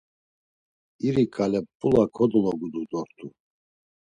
İri ǩale mp̌ula kodologutu dort̆u.